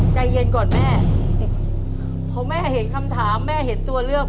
ใจเย็นก่อนแม่พอแม่เห็นคำถามแม่เห็นตัวเลือก